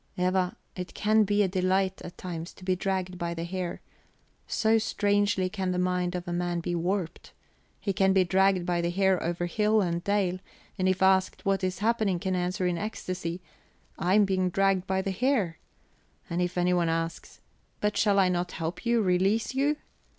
"Eva, it can be a delight at times to be dragged by the hair. So strangely can the mind of a man be warped. He can be dragged by the hair over hill and dale, and if asked what is happening, can answer in ecstasy: 'I am being dragged by the hair!' And if anyone asks: 'But shall I not help you, release you?'